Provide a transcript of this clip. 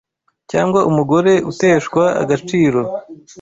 cyangwa umugore uteshwa agaciro